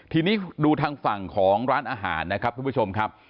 ทีนี้ดูทางฝั่งของร้านอาหารนะครับทุกผู้ชมครับ